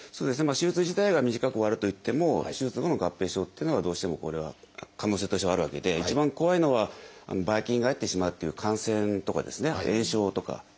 手術自体が短く終わるといっても手術後の合併症というのはどうしてもこれは可能性としてはあるわけで一番怖いのはばい菌が入ってしまうっていう感染とかあと炎症とかなんですね。